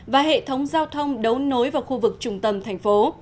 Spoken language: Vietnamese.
và hệ thống giao thông đấu nối vào khu vực trung tâm thành phố